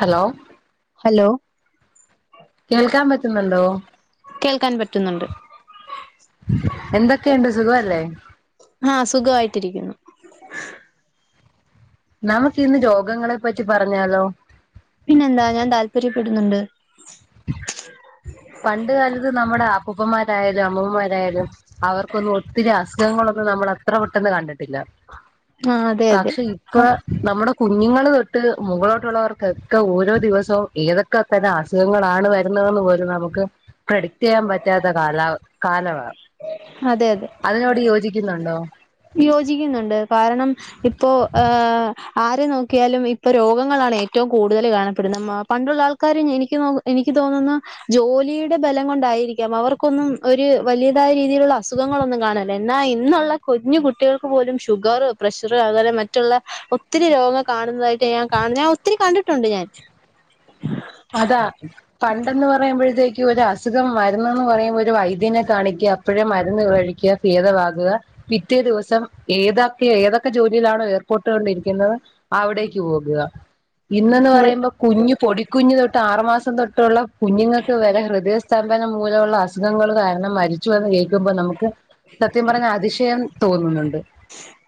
Hello hello കേൾക്കാൻ പറ്റുന്നുണ്ടോ. കേൾക്കാൻ പറ്റുന്നുണ്ട് എന്തൊക്കെയുണ്ട് സുഖല്ലേ. ആഹ് സുഖയിട്ടിരിക്കുന്നു. നമുക്ക് ഇന്ന് രോഗങ്ങളെ പറ്റി പറഞ്ഞാലോ. പിന്നെന്താ ഞാൻ താല്പര്യപ്പെടുന്നുണ്ട്. പണ്ട കാലത്ത് നമ്മുടെ അപ്പപ്പമാരായാലും അമ്മമാരായാലും അവർക്കൊന്ന് ഒത്തിരി അസ - സ്തകങ്ങളൊന്നും നമ്മൾ അത്ര പെട്ടെന്ന് കണ്ടിട്ടില്ല ആ അതെ അതെ പക്ഷെ ഇ ഇപ്പ നമ്മുടെ കുഞ്ഞുങ്ങൾ തൊട്ട് മുകളോട്ടുള്ളവർക്കൊക്കെ ഓരോ ദിവസവും ഏതൊ - ക്കെത്തന്നെ അസുഖങ്ങളാണ് വരുന്നതെന്ന് പോലും നമ്മ ക്ക് പ്രഡിക്ട് ചെയ്യാൻ പറ്റാത്ത കാല കാലവാ അതെ അതെ അതിനോട് യോജിക്ക്ന്ന്ണ്ടോ യോജിക്കുന്നുണ്ട് കാരണം ഇപ്പോ ഏ ആരെ നോക്കിയാലും ഇപ്പൊ രോഗങ്ങളാണ് ഏറ്റവും കൂടുതൽ കാണപ്പെടുന്നത് പണ്ടുള്ളാൾ ൾക്കാര് എനിക്ക് നോ എനിക്ക് തോന്നുന്നു ജോലിയുടെ ബലം കൊണ്ടായിരിക്കാം അവർക്കൊന്നും ഒരു വലിയതായ രീതിയിലുള്ള അസുഖങ്ങളൊന്നും കാണ ല്ല എന്നാ ഇന്നുള്ള കുഞ്ഞു കുട്ടികൾക്ക് പോലും ഷുഗർ, പ്രഷർ അങ്ങനെ മറ്റുള്ള ഒത്തിരി രോഗം കാണുന്നതായിട്ട് ഞാൻ കാണ്ന്നെ ഞാൻ ഒ ത്തിരി കണ്ടിട്ടുണ്ട് ഞാൻ അതാ പണ്ടെന്ന് പറയുമ്പോഴത്തേക്കും ഒരു അസുഖം വരുന്നെന്ന് പറയുമ്പോ ഒരു വൈദ്യനെ കാണിക്ക പ്പഴേ മരുന്ന് കഴിക്ക ഭേദവാകുക പിറ്റേ ദിവസം ഏതൊക്കെ ഏതൊക്കെ ജോലിയിലാണോ ഏർ - പൊട്ടൊണ്ടിരിക്കുന്നത് അവിടേക്ക് പോകുക ഇന്ന്ന്ന് അതെ പറയുമ്പോ കുഞ്ഞു പൊടി കുഞ്ഞു തൊട്ട് ആറുമാസം തൊട്ടുള്ള കുഞ്ഞുങ്ങൾക്ക് വെരെ ഹൃദയ സ്തംഭനം മൂലമുള്ള അസുഖങ്ങള് കാരണം മരി ച്ചുന്ന് കേക്കുമ്പോ നമുക്ക് സത്യം പറഞ്ഞ അതിശയം തോന്നുന്നുണ്ട്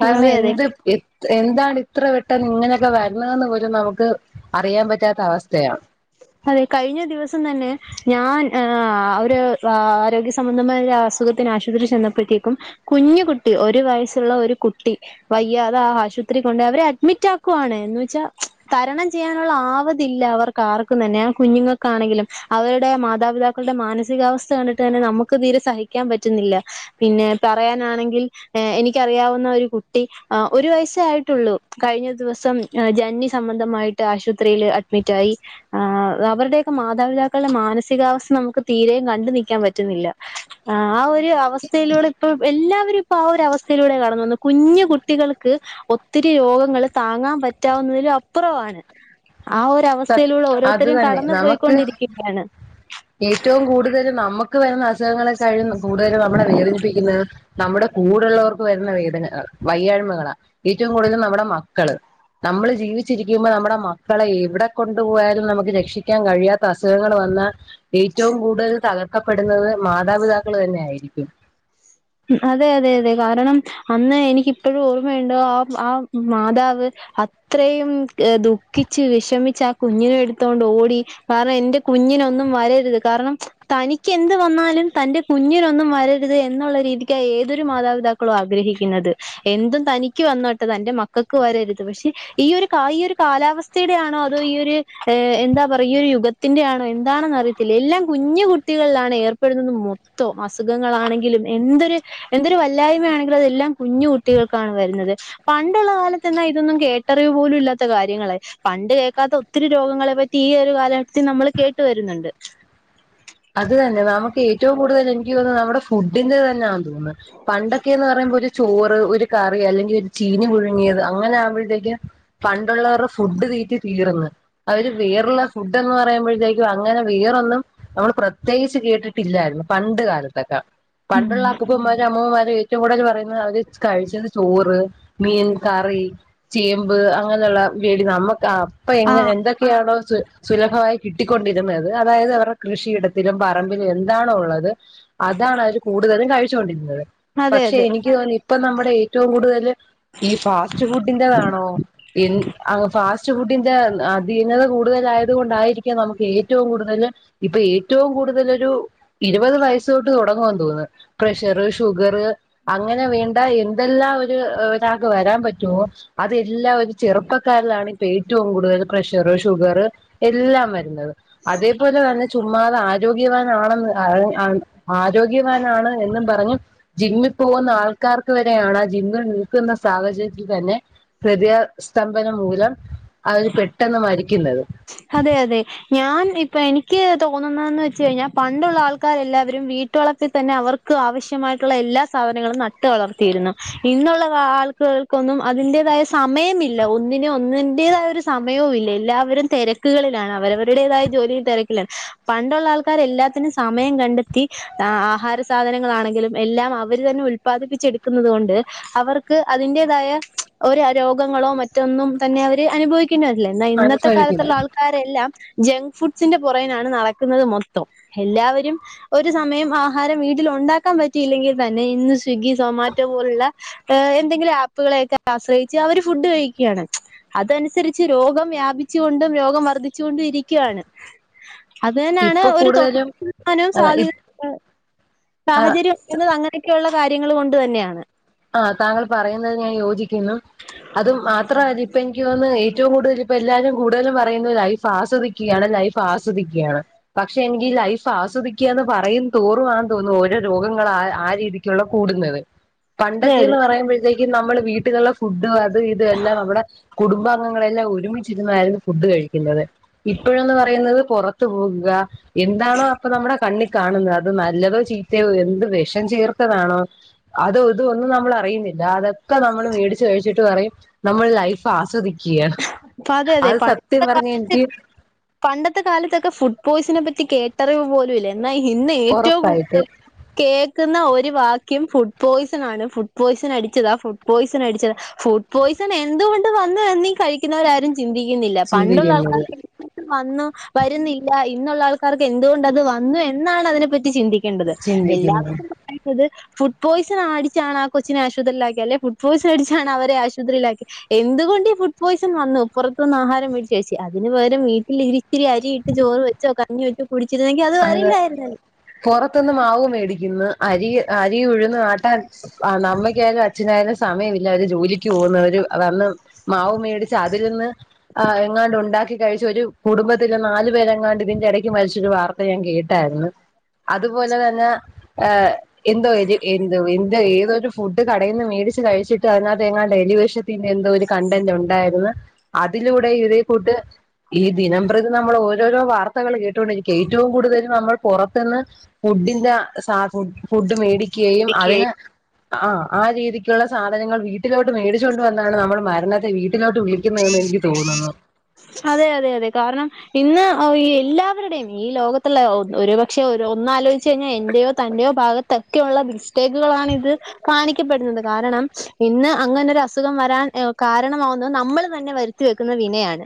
കാരണം അതെ അതെ എന്ത് എ എന്താണ് ഇത്ര പെട്ടെന്ന് ഇങ്ങനെയൊക്കെ വരണ്ന്ന് പോലും നമുക്ക് അറിയാൻ പറ്റാത്ത അവസ്ഥയാ അതെ കഴിഞ്ഞ ദിവസം തന്നെ ഞാൻ ഒരു ആരോഗ്യ സംബന്ധമായ ഒരസ് സുഖത്തിന് ആശുപത്രി ചെന്നപ്പഴത്തേക്കും കുഞ്ഞു കുട്ടി ഒരു വയസ്സുള്ള ഒരു കുട്ടി വയ്യാതെ ആ ആശുപത്രി കൊണ്ട് അവരെ അഡ്മിറ്റാക്കുവാണ് എന്ന് വെച്ചാ തരണം ചെയ്യാനുള്ള ആവതില്ല അവർ കാർക്കും തന്നെ ആ കുഞ്ഞുങ്ങക്കാണെങ്കിലും അവരുടെ മാതാപിതാക്കളുടെ മാനസികാവസ്ഥ കണ്ട്ട്ട് തന്നെ നമ്മക്ക് തീരെ സഹി ക്കാൻ പറ്റുന്നില്ല പിന്നെ പറയാനാണെങ്കിൽ എനിക്കറിയാവുന്ന ഒരു കുട്ടി ഒരു വയസ്സേ ആയിട്ടുള്ളൂ കഴിഞ്ഞ ദിവസം ആ ജന്നിസംബന്ധമായിട്ട് ആശുപത്രില് അഡ്മിറ്റായി ആ അവര്ടെയൊക്കെ മാതാപിതാക്കളുടെ മാനസികാവസ്ഥ നമുക്ക് തീരേം കണ്ട് നിക്കാൻ പറ്റുന്നില്ല ആ ഒരു അവസ്ഥയിലൂടെ ഇപ്പ എല്ലാവരും പ്പൊ ആ ഒരു അവസ്ഥയിലൂടെ കടന്ന് പോകുന്നത് കുഞ്ഞ് കുട്ടികൾക്ക് ഒത്തിരി രോഗങ്ങള് താങ്ങാൻ പറ്റാവുന്നതിലും അപ്പുറവാണ് ആ ഒരവ സ വസ്ഥയിലുള്ള അത് ഓരോരുത്തരും തന്നെ കടന്നു നമുക്ക് പോയിക്കൊണ്ടിരിക്കുകയാണ് ഏറ്റവും കൂടുതലും നമ്മക്ക് വെരുന്ന അസുഖങ്ങളെക്കാഴും കൂടുതല് നമ്മളെ വേദനിപ്പിക്കുന്ന നമ്മടെ കൂടെള്ളവർക്ക് വരുന്ന വേദന വയ്യാഴ്മകളാ ഏറ്റവും കൂടുതല് നമ്മടെ മക്കള് നമ്മള് ജീവിച്ചിരിക്കുമ്പോ നമ്മുടെ മക്കളെ എവടെ കൊണ്ടു പോയാലും നമുക്ക് രക്ഷിക്കാൻ കഴിയാത്ത അസുഖങ്ങള് വന്നാ ഏറ്റവും കൂടുതല് തകർക്കപ്പെടുന്നത് മാതാപിതാക്കൾ തന്നെ ആയിരിക്കും അതെ അതെ അതെ കാരണം അന്ന് എനിക്കിപ്പഴും ഓർമ്മയുണ്ട് അ ആ മാതാവ് അത്രയും ദുഃഖിച്ച് വിഷമിച്ച് ആ കുഞ്ഞിനെ എടുത്തോണ്ടോടി കാരണം എന്റെ കുഞ്ഞിനൊന്നും വരരുത് കാരണം തനിക്കെന്ത് വന്നാലും തന്റെ കുഞ്ഞിനൊന്നും വരരുത് എന്നുള്ള രീതിക്ക ഏതൊരു മാതാപിതാക്കളും ആഗ്രഹിക്കുന്നത് എന്തും തനിക്ക് വന്നോട്ടെ തന്റെ മക്കക്ക് വരരുത് പക്ഷേ ഈയൊര് കാ ഈയൊര് കാലാവസ്ഥയുടെയാണോ അതോ ഈയൊരു എന്താ പറയാ ഈയൊര് യുഗ ത്തിന്റെ ആണോ എന്താണെന്ന് അറിയത്തില്ല എല്ലാം കുഞ്ഞു കുട്ടികളിലാണ് ഏർപ്പെടുന്നത് മൊത്തം അസുഖങ്ങളാണെങ്കിലും എന്ത് എന്തൊരു വല്ലായ്മയാണെങ്കിലും അതെല്ലാം കുഞ്ഞ് കുട്ടികൾക്കാണ് വരുന്നത് പണ്ടുള്ള കാലത്ത്ന്നാ ഇതൊന്നും കേട്ടറിവ് പോലും ഇല്ലാത്ത കാര്യങ്ങളാ പണ്ട് കേക്കാത്ത ഒത്തിരി രോഗങ്ങളെ പറ്റി ഈ ഒരു കാലഘട്ടത്തിൽ നമ്മള് കേട്ട് വരുന്നുണ്ട് അത് തന്നെ നമുക്ക് ഏറ്റവും കൂടുതൽ എനിക്ക് തോന്നുന്നു നമ്മുടെ ഫുഡിന്റെ തന്നാന്ന് പണ്ടൊക്കെന്ന് പറയുമ്പോ ഒരു ചോറ് ഒരു കറി അല്ലെങ്കി ഒരു ചീനി പുഴുങ്ങിയത് അങ്ങനെ ആവുമ്പോഴത്തേക്കും പണ്ടുള്ളവരുടെ ഫുഡ് തീറ്റി തീർന്ന് അവര് വേറൊള്ള ഫുഡ് എന്ന് പറയുമ്പോഴത്തേക്കും അങ്ങനെ വേറൊന്നും നമ്മൾ പ്രത്യേകിച്ച് കേട്ടിട്ടില്ലാരുന്നു പണ്ട് കാലത്തൊക്കെ ഉം. പണ്ടുള്ള അപ്പൂപ്പന്മാരും അമ്മൂമ്മമാരും ഏറ്റവും കൂടുതൽ പറയുന്നത് അവര് കഴിച്ചത് ചോറ് മീൻ കറി ചേമ്പ് അങ്ങനെയുള്ള പേടി നമ്മുക്ക് അപ്പൊ എങ്ങനെ ആഹ് എന്തൊ ക്കെയാണോ സുലഭമായി കിട്ടിക്കൊണ്ടിരുന്നത് അതായത് അവർ കൃഷിയിടത്തിലും പറമ്പിലും എന്താണോ ഉള്ളത് അതാണ് അവര് കൂടുതലും കഴിച്ചോണ്ടിരുന്നത് അതെ അതെ. പക്ഷെ എനിക്ക് തോന്നി ഇപ്പ നമ്മടെ ഏറ്റവും കൂടുതൽ ഈ ഫാസ്റ്റ് ഫുഡിന്റെതാണോ എൻ ഫാസ്റ്റ് ഫുഡിന്റെ അധീനത കൂടുതലായത് കൊണ്ടായിരിക്കാം നമുക്ക് ഏറ്റവും കൂടുതല് ഇപ്പൊ ഏറ്റവും കൂടുതലൊരു ഇരുപത് വയസ്സ് തൊട്ട് തുടങ്ങുവാന്ന് തോന്ന് പ്രഷറ് ഷുഗറ് അങ്ങനെ വേണ്ടാ എന്തെല്ലാം ഒരു ഒരാക്ക് വരാൻ പറ്റുവോ അതെല്ലാം ഒരു ചെറുപ്പക്കാരിലാണ് ഇപ്പ ഏറ്റവും കൂടുതൽ പ്രഷറ് ഷുഗറ് എല്ലാം വരുന്നത് അതേപോലെ തന്നെ ചുമ്മാതാരോഗ്യവാനാണെന്ന് ആരോഗ്യവാനാണ് എന്നും പറഞ്ഞ് ജിമ്മിൽ പോകുന്ന ആൾക്കാർക്ക് വരെയാണ് ആ ജിമ്മിൽ നിൽക്കുന്ന സാഹചര്യത്തിൽ തന്നെ ഹൃദയ സ്തംഭനം മൂലം അവര് പെട്ടെന്ന് മരിക്കുന്നത് അതെ അതെ ഞാൻ ഇപ്പ എനിക്ക് തോന്നുന്നതെന്ന് വെച്ചു കഴിഞ്ഞാ പണ്ടുള്ള ആൾക്കാരെല്ലാവരും വീട്ടുവളപ്പിൽ തന്നെ അവർ ക്ക് ആവശ്യമായിട്ടുള്ള എല്ലാ സാധനങ്ങളും നട്ട് വളർത്തിയിരുന്നു ഇന്നുള്ള ആൾക്കുകൾക്കൊന്നും അതിന്റേതായ സമയമില്ല ഒന്നിനും ഒന്നിൻ്റെതായ ഒരു സ് സമയവുംഇല്ല എല്ലാവരും തെര ക്കുകളിലാണ് അവരവരുടേതായ ജോലി തിരക്കിലാണ് പണ്ടുള്ള ആൾക്കാര് എല്ലാത്തിനും സമയം കണ്ടെത്തി ആ ആഹാര സാധനങ്ങളാണെങ്കിലും എല്ലാം അവര് തന്നെ ഉല്പാദിപ്പിച്ചെടുക്കുന്നതുകൊണ്ട് അവർക്ക് അതിന്റേതായ ഒരു രോഗങ്ങളോ മറ്റൊന്നും തന്നെ അവര് അനുഭവി [unintelligible] ഇന്നാ ഇന്നത്തെ അനുഭവിക്കുന്നു കാലത്തുള്ള ആൾ ക്കാരെല്ലാം ജങ്ക് ഫുഡ്സിന്റെ പൊറേനാണ് നടക്കുന്നത് മൊത്തം എല്ലാവരും ഒരു സമയം ആഹാരം വീട്ടിൽ ഉണ്ടാക്കാൻ പറ്റിയില്ലെങ്കിൽ തന്നെ ഇന്ന് സ്വിഗ്ഗി സൊമാറ്റോ പോലുള്ള എന്തെങ്കിലും ആപ്പുകളൊക്കെ ആശ്രയിച്ച് അവര് ഫുഡ് കഴിക്കുകയാണ് അതനുസരിച്ച് രോഗം വ്യാപിച്ചുകൊണ്ടും രോഗം വർധിച്ചുകൊണ്ടും ഇരിക്കുയാണ് അത് തന്നെയാണ് ഇപ്പൊ ഒരു തൊണ്ണൂ കൂടുതലും ശതമാനവും അത സാധ്യത ആ സാഹചര്യം വക്കുന്നത് അങ്ങനെയൊക്കെയുള്ള കാര്യങ്ങൾ കൊണ്ട് തന്നെയാണ് ആഹ് താങ്കൾ പറയുന്നത് ഞാൻ യോജിക്കുന്നു അതും മാത്രമല്ലായി ഇപ്പ എനിക്ക് തോന്നുന്നു ഏറ്റവും കൂടുതൽ ഇപ്പം എല്ലാരും കൂടുതലും പറയുന്നു ലൈഫ് ആസ്വദിക്കുകയാണ് ലൈഫ് ആസ്വദിക്കുകയാണ് പക്ഷെ എനിക്ക് ഈ ലൈഫ് ആസ്വദിക്കുക എന്ന് പറയും തോറും ആന്ന് തോന്നുന്നു ഓരോ രോഗങ്ങള് ആ ആ രീതി ക്കുള്ള കൂടുന്നത് അതെ അതെ. പണ്ടൊക്കെന്ന് പറയുമ്പോഴത്തേക്കും നമ്മള് വീട്ടിലുള്ള ഫുഡ് അത് ഇത് എല്ലാം നമ്മുടെ കുടുംബാംഗങ്ങളെല്ലാം ഒരുമിച്ചിരുന്നായിരുന്നു ഫുഡ് കഴിക്കുന്നത് ഇപ്പോഴെന്ന് പറയുന്നത് പൊറത് ത്തുപോകുക എന്താണോ അപ്പൊ നമ്മുടെ കണ്ണി കാണുന്നത് അത് നല്ലതോ ചീത്തയോ എന്ത് വെഷം ചേർത്തതാണോ അത് അതൊന്നും നമ്മൾ അറിയുന്നില്ല അതൊക്കെ നമ്മള് മേടിച്ച് കഴിച്ചിട്ട് പറയും നമ്മൾ ലൈഫ് ആസ്വദിക്കുകയാണ് അപ്പൊ അതെ അതെ അത് പണ്ട് സത്യം പറഞ്ഞ എനിക്ക് പണ്ടത്തെ കാലത്തൊക്കെ ഫുഡ് പോയ്സനെ പറ്റി കേട്ടറിവ് പോലും ഇല്ല എന്നാൽ ഇന്ന് ഏറ്റവും ഉറപ്പായിട്ട് കൂടുതൽ കേൾക്കുന്ന ഒരു വാക്യം ഫുഡ് പോയ്സൺ ആണ് ഫുഡ് പോയ്സൺ അടിച്ചതാ ഫുഡ് പോയിസൺ അടിച്ചതാ ഫുഡ് പോയ്സൺ എന്തുകൊണ്ട് വന്നു എന്നീ കഴിക്കുന്നവരാരും ചിന്തിക്കുന്നില്ല പണ്ടുള്ള ചിന്തിക്കുന്നത് ആൾക്കാർക്ക് വന്നു വരുന്നില്ല ഇന്നുള്ള ആൾക്കാർക്ക് എന്തുകൊണ്ടത് വന്നു എന്നാണ് അതിനെപ്പറ്റി ചിന്തി ക്കേണ്ടത് ചിന്തിക്കുന്നത് എല്ലാവരും പറയുന്നത് ഫുഡ് പോയിസൺ അടിച്ചാണ് ആ കൊച്ചിനെ ആശുപത്രിയിലാക്കി അല്ലെ ഫുഡ് പോയിസൺ അടിച്ചാണ് അവരെ ആശുപത്രിയിലാക്കി എന്തുകൊണ്ട് ഈ ഫുഡ് പോയ്സൺ വന്നു പുറത്തൊന്ന് ആഹാരം മേടിച്ച് കഴിച്ച് അതിന് പകരം വീട്ടിലിരി ഇത്തിരിയിട്ട് ചോറ് വെച്ചോ കഞ്ഞി വെച്ചോ കുടിച്ചിരുന്നെങ്കിൽ അത് വരില്ലായിരുന്നല്ലോ പുറത്തുന്ന് മാവ് മേടിക്കുന്നു അരി അരി ഉഴുന്ന് ആട്ടാൻ അമ്മക്കായാലും അച്ഛനായാലും സമയമില്ല അവര് ജോലിക്ക് പോകുന്നവര് വന്ന് മാവ് മേടിച്ച് അതിൽ നിന്ന് ആഹ് എങ്ങാണ്ട് ഉണ്ടാക്കി കഴിച്ചു ഒരു കുടുംബത്തിലെ നാലു പേരെങ്ങാണ്ട് ഇതിന്റെ ഇടയ്ക്ക് മരിച്ചൊരു വാർ ത്ത ഞാൻ കേട്ടായിരുന്നു അതുപോലെ തന്നെ ഏഹ് എന്തോ എന്തോ എന്തോ ഏതോരു ഫുഡ് കടയിൽന്ന് മേടിച്ച് കഴിച്ചിട്ട് അതിനകത്തെങ്ങാണ്ട് എലിവിഷത്തിന്റെ എന്തോ ഒരു കണ്ടന്റ് ഉണ്ടായിരുന്നു അതിലൂടെ ഇതേ കൂട്ട് ഈ ദിനംപ്രതിം നമ്മൾ ഓരോരോ വാർത്തകൾ കേട്ടുകൊണ്ട് ഇരിക്കാ ഏറ്റവും കൂടുതൽ നമ്മൾ പുറത്തുന്ന് ഫുഡിന്റെ സ ഫുഡ് മേടി കയും അതിന് പേടിക്കുകയും ആ ആ രീതിക്കുള്ള സാധനങ്ങൾ വീ വീലോട്ട് മേടിച്ചൊണ്ട വന്നാണ് നമ്മുടെ മരണത്തെ വീട്ടിലോട്ട് വി അതെ അതെ അതെ കാരണം ഇന്ന് ഈ എല്ലാവരുടെയും ഈ ലോകത്തിലുള്ള ഒരുപക്ഷെ ഒന്നാലോചിച്ച് കഴിഞ്ഞാൽ എന്റെയോ തന്റെയോ ഭാഗത്ത് തക്കെയുള്ള മിസ്റ്റേക്കുകളാണിത് കാണിക്കപ്പെടുന്നത് കാരണം ഇന്ന് അങ്ങനെ ഒരു അസുഖം വരാൻ കാരണമാവുന്നത് നമ്മൾ തന്നെ വരുത്തി വെക്കുന്ന വിനയാണ്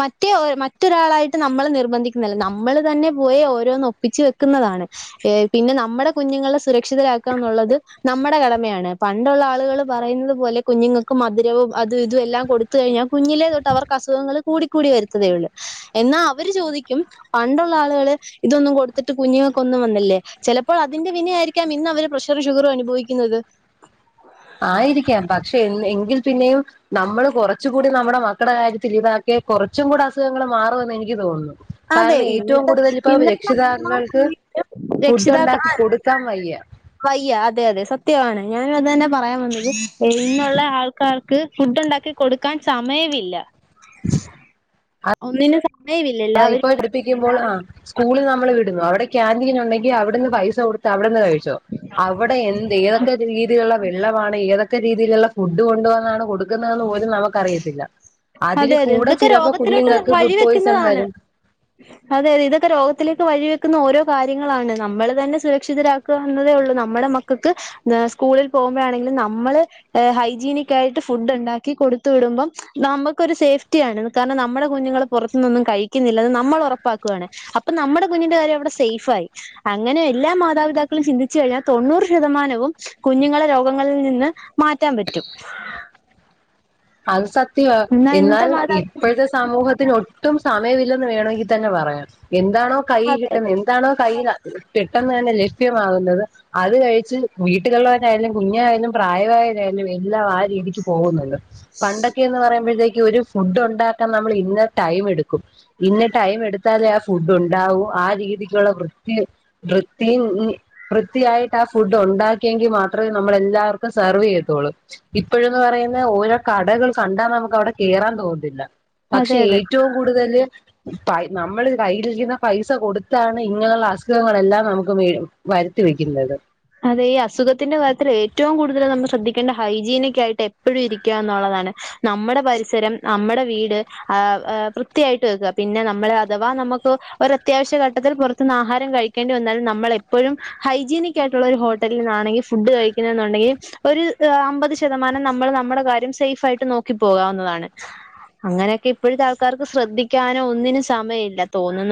മറ്റേ മറ്റൊരാളായിട്ട് നമ്മൾ നിർബന്ധിക്കുന്നതല്ല നമ്മൾ തന്നെ പോയ ഓരോന്ന് ഒപ്പിച്ചു വെക്കുന്നതാണ് ഏ പിന്നെ നമ്മുടെ കുഞ്ഞുങ്ങളെ സുരക്ഷിതരാക്കുക എന്നുള്ളത് നമ്മുടെ കടമയാണ് പണ്ടുള്ള ആളുകളും പറയുന്നത് പോലെ കുഞ്ഞുങ്ങൾക്ക് മധുരവും അത് ഇതുമെല്ലാം കൊടുത്ത കഴിഞ്ഞാൽ കുഞ്ഞിലെ തൊട്ട് അവർക്ക് അസുഖങ്ങൾ കൂടിക്കൂടി വരുത്തതേ ഉള്ളൂ എന്നാ അവര് ചോദിക്കും പണ്ടുള്ള ആളുകള് ഇതൊന്നും കൊടുത്തിട്ട് കുഞ്ഞുങ്ങൾക്കൊന്നും വന്നല്ലേ ചിലപ്പോൾ അതിന്റെ വിനയ ആരിക്കാം ഇന്ന് അവര് പ്രഷർ ഷുഗറും അനുഭവിക്കുന്നത് ആയിരിക്കാം പക്ഷെ എങ്കിൽ പിന്നെയും നമ്മള് കുറച്ച കൂടി നമ്മുടെ മക്കുടെ കാര്യത്തിൽ ഇതാക്കിയ കുറച്ചും കൂടെ അസുഖങ്ങൾ മാറുംന്ന് എനിക്ക് തോന്നുന്നു അതെ കാരണം ഏറ്റവും ഇന്നത്തെ കൂടുതൽ ഇപ്പൊ ഇന്നത്തെ അമ്മമാർ രക്ഷിതാക്കൾക്ക് ഫുഡ് രക്ഷിതാക്കൾ ഉണ്ടാക്കി കൊടുക്കാൻ വയ്യ വയ്യ അതെ അതെ സത്യവാണ് ഞാനും അതന്നെ പറയാൻ വന്നത് ഇന്നുള്ള ആൾക്കാർക്ക് ഫുഡ് ഇണ്ടാക്കി കൊടുക്കൻ സമയവില്ല ഒന്നിനും സമയവില്ല എല്ലാവരും പടിപ്പിക്കുമ്പോൾ ആഹ് സ്കൂളിൽ നമ്മൾ വിടുന്നു. അവിടെ കാന്റീനുണ്ടെങ്കി അവിടുന്ന് പൈസ കൊടുത്ത് അവിടുന്ന് കഴി ച്ചോ അവിടെ എന്ത് ഏതൊക്കെ രീതിള്ള വെള്ളവാണ് ഏതൊക്കെ രീതിയിലുള്ള ഫുഡ് കൊണ്ടുവന്നാണ് കൊടുക്കുന്നതെന്ന് പോലും നമുക്ക ക്കറിയത്തില്ലാ അതില് അതെ അതെ കൂടെ ഇതൊക്കെ ചിലപ്പോ രോഗത്തിലോട്ട് കുഞ്ഞുങ്ങൾക്ക് ഫുഡ് പോയ്സ് വഴിവെക്കുന്നതാണ് അതെ അതെ ഇതൊക്കെ രോഗത്തിലേക്ക് വഴി വെക്കുന്ന ഓരോ കാര്യങ്ങളാണ് നമ്മൾ തന്നെ സുരക്ഷിതരാ കാണുന്നതേ ഉള്ളൂ നമ്മടെ മക്കക്ക് ന്ദ് സ്കൂളിൽ പോകുമ്പോഴാണെങ്കിലും നമ്മള് ഹൈജീനിക്കായിട്ട് ഫുഡ് ഇണ്ടാക്കി കൊടു ത്ത് വിടുമ്പം നമുക്കൊരു സേഫ്റ്റിയാണ് കാരണം നമ്മുടെ കുഞ്ഞുങ്ങൾ പുറത്തന്നൊന്നും കഴിക്കുന്നില്ലന്ന് നമ്മൾ ഉറപ്പാക്കുവാണ് അപ്പൊ നമ്മടെ കുഞ്ഞിന്റെ കാര്യം അവിടെ സേയ്ഫായി അങ്ങനെ എല്ലാ മാതാപിതാക്കളും ചിന്തിച്ചു കഴിഞ്ഞാൽ തൊണ്ണൂറ് ശതമാനവും കുഞ്ഞുങ്ങളെ രോഗങ്ങളിൽ നിന്ന് മാറ്റാൻ പറ്റും അത് സത്യവാ എന്നാ ഇന്നത്തെ എന്നാൽ മാതാപിതാ ഇപ്പോഴത്തെ സമൂഹത്തിന് ഒ ട്ടും സമയവില്ലെന്ന് വേണമെങ്കി തന്നെ പറയാം എന്താണോ കൈയി അതെ അതെ കിട്ടുന്നെ എ എന്താണോ കയ്യിൽ അ പെട്ടെന്ന് തന്നെ ലഭ്യമാകുന്നത് അത് കഴിച്ച് വീട്ടുകള്ളവരായാലും കുഞ്ഞായാലും പ്രായവായവരായാലും എല്ലാം ആ രീതിക്ക് പോകുന്നുണ്ട് പണ്ടൊക്കെ എന്ന് പറയുമ്പോഴത്തേക്കും ഒരു ഫുഡ് ഉണ്ടാക്കാൻ നമ്മൾ ഇന്ന ടൈം എടുക്കും ഇന്ന ടൈം എടുത്താലേ ആ ഫുഡ് ഉണ്ടാവും ആ രീതിക്കുള്ള വൃത്തി വൃത്തിം ഉം വൃത്തിയായിട്ട ആ ഫുഡ് ഉണ്ടാക്കിയെങ്കി മാത്രമേ നമ്മൾ എല്ലാവർക്കും സെർവിയതൊള്ളൂ ഇപ്പഴന്ന് പറയുന്ന ഓരോ കടകൾ കണ്ടാ നമുക്കവിടെ കെയറാൻ തോന്നതില്ല പക്ഷെ അതെ അതെ ഏറ്റവും കൂടുതല് പൈ നമ്മള് കയ്യിലരിക്കുന്ന പൈസ കൊടുത്താണ് ഇങ്ങനെള്ള അസുഖങ്ങളെല്ലാം നമുക്ക് മേ വരുത്തി വെക്കുന്നത് അതെ ഈ അസുഖത്തിന്റെ കാര്യത്തില് ഏറ്റവും കൂടുതൽ നമ്മൾ ശ്രദ്ധിക്കേണ്ട ഹൈജീനിക്കായിട്ടെ എപ്പോഴും ഇരിക്കാ എന്നുള്ളതാണ് നമ്മടെ പരിസരം നമ്മടെ വീട് ആഹ് ഹ് വൃത്തിയായിട്ട് വെക്കാ പിന്നെ നമ്മളെ അഥവാ നമുക്ക് ഒരത്യാവിശ്യ ഘട്ടത്തിൽ പുറത്ത്ന്ന ആഹാരം കഴിക്കേണ്ടി വന്നാലും നമ്മള എപ്പോഴും ഹൈജീനിക് ക്കായിട്ടുള്ള ഒരു ഹോട്ടലി നിന്നാണെങ്കിൽ ഫുഡ് കഴിക്കുന എന്നുണ്ടെങ്കി ഒരു ഹ് അമ്പത് ശതമാനം നമ്മൾ നമ്മടെ കാര്യം സേഫ് ആയിട്ട് നോക്കി പോകാവുന്നതാണ് അങ്ങനെയൊക്കെ ഇപ്പഴ്ത്തെ ആൾക്കാർക്ക് ശ്രദ്ധിക്കാനോ ഒന്നിനും സമയ ഇല്ല തോന്നുന്ന